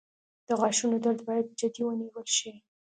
• د غاښونو درد باید جدي ونیول شي.